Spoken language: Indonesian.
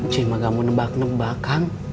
cuy kamu ngebak nebak kang